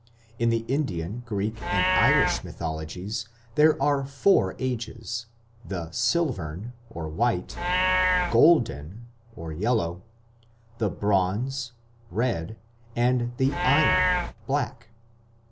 In the Indian, Greek, and Irish mythologies there are four Ages the Silvern (white), Golden (yellow), the Bronze (red), and the Iron (black).